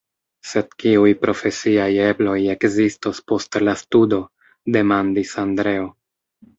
Sed kiuj profesiaj ebloj ekzistos post la studo, demandis Andreo.